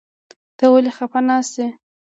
ته ولې خپه ناسته يې ؟